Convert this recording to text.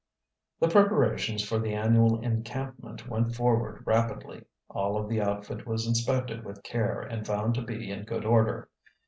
The preparations for the annual encampment went forward rapidly. All of the outfit was inspected with care and found to be in good order.